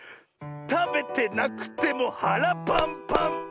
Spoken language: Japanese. たべてなくてもはらパンパン！